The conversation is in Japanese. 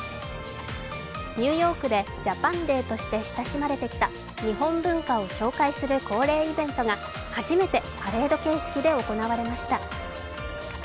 ニューヨークでジャパンデーとして親しまれてきた日本文化を紹介する恒例イベントが初めてパレード形式で行われました。